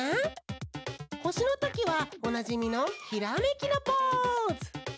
ほしのときはおなじみのひらめきのポーズ！